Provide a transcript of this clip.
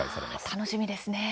楽しみですね。